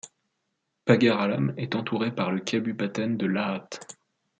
Pagar Alam est entourée par le kabupaten de Lahat.